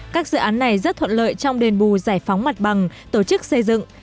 các dự án này rất thuận lợi trong đền bù giải phóng mặt bằng tổ chức xây dựng